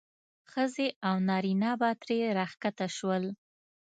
ښځې او نارینه به ترې راښکته شول.